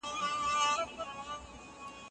دولت د سياستونو د همږغۍ مسووليت لري.